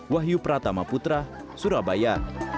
wahyu pratama putra surabaya